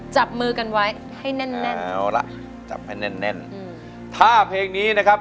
จับมือกันไว้ให้แน่นแน่นเอาล่ะจับให้แน่นแน่นอืมถ้าเพลงนี้นะครับ